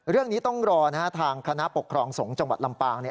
เรื่องนี้ต้องรอทางคณะปกครองสงฆ์จังหวัดลำปาง